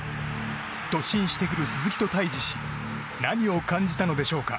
突進してくる鈴木と対峙し何を感じたのでしょうか。